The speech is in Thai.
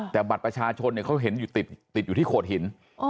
แต่บัตรประชาชนเขาเห็นอยู่ติดอยู่ที่โขดหิน